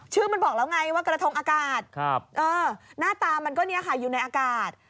มันบอกแล้วไงว่ากระทงอากาศหน้าตามันก็เนี่ยค่ะอยู่ในอากาศ